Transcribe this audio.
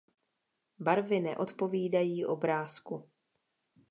Barvy neodpovídají obrázku.